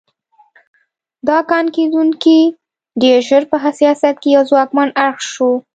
دا کان کیندونکي ډېر ژر په سیاست کې یو ځواکمن اړخ شو.